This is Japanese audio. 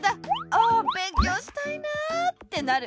あべんきょうしたいなあ」ってなる。